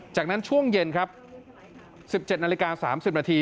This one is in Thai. จากนั้นช่วงเย็นครับ๑๗นาฬิกา๓๐นาที